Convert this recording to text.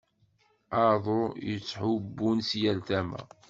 Aḍu i yetthubbun si yal tama.